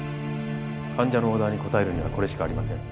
患者のオーダーに応えるにはこれしかありません。